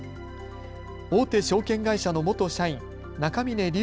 大手証券会社の元社員、中峯竜晟